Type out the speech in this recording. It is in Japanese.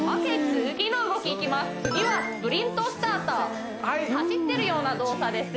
次はスプリントスターター走ってるような動作です